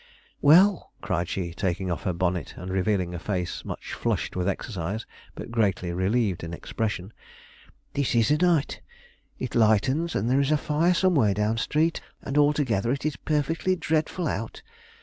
"Well!" cried she, taking off her bonnet and revealing a face much flushed with exercise, but greatly relieved in expression; "this is a night! It lightens, and there is a fire somewhere down street, and altogether it is perfectly dreadful out.